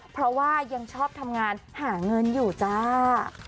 เพราะว่ายังชอบทำงานหาเงินอยู่จ้า